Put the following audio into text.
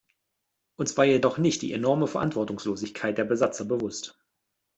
Uns war jedoch nicht die enorme Verantwortungslosigkeit der Besatzer bewusst.